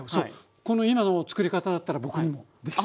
この今のつくり方だったら僕にもできそう。